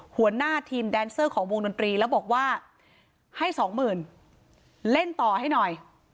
หัวหน้าทีมแดนเซอร์ของวงดนตรีแล้วบอกว่าให้สองหมื่นเล่นต่อให้หน่อย